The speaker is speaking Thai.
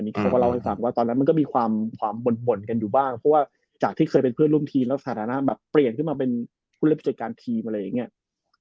เขาก็เล่าให้ฟังว่าตอนนั้นมันก็มีความบ่นกันอยู่บ้างเพราะว่าจากที่เคยเป็นเพื่อนร่วมทีมแล้วสถานะแบบเปลี่ยนขึ้นมาเป็นผู้เล่นผู้จัดการทีมอะไรอย่างนี้